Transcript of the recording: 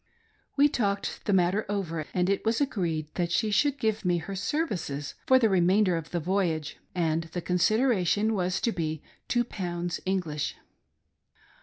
So we talked the matter over, and it was agreed that she should give me her services for the remain der of the voyage ; and the " consideration " was to be two pounds English.